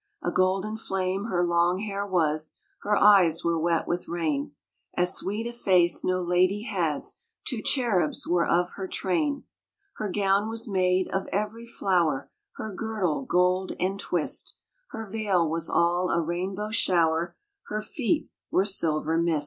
A golden flame her long hair was, Her eyes were wet with rain ; As sweet a face no lady has — Two cherubs were of her train. Her gown was made of every flower, Her girdle gold entwist, Her veil was all a rainbow shower, Her feet were silver mist.